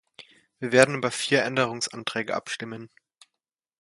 Wir werden über vier Änderungsanträge abstimmen.